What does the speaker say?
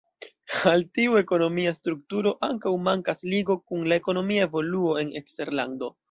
Al tiu ekonomia strukturo ankaŭ mankas ligo kun la ekonomia evoluo en eksterlando.